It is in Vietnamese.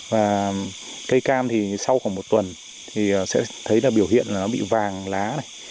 và cây cam thì sau khoảng một tuần thì sẽ thấy là biểu hiện là nó bị vàng lá này